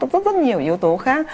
rất rất nhiều yếu tố khác